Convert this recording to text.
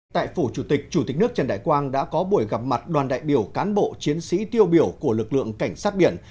tại phủ chủ tịch chủ tịch nước trần đại quang đã có buổi gặp mặt đoàn đại biểu cán bộ chiến sĩ tiêu biểu của lực lượng cảnh sát biển